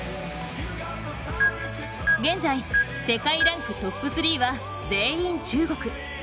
現在、世界ランクトップ３は全員中国。